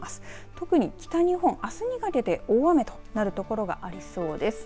特に北日本、あすにかけて大雨となるところがありそうです。